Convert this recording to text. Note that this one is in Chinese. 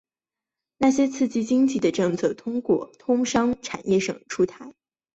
那些刺激经济的政策通过通商产业省出台。